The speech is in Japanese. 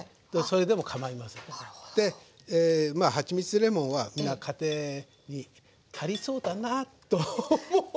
ではちみつとレモンはみんな家庭にありそうだなと思うから。